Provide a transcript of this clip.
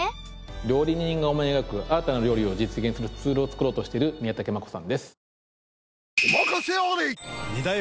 料理人が思い描く新たな料理を実現するツールを作ろうとしている宮武茉子さんです。